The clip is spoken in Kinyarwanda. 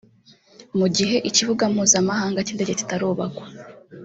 Mu gihe ikibuga mpuzamahanga cy’indege kitarubakwa